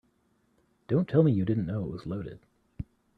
Don't tell me you didn't know it was loaded.